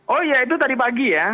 oh ya itu tadi pagi ya